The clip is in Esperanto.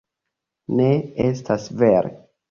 Ne, estas vere